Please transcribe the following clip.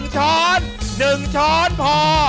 ๑ช้อน๑ช้อน๑ช้อนพอ